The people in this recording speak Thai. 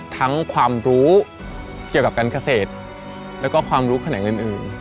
ความรู้เกี่ยวกับการเกษตรแล้วก็ความรู้แขนงอื่น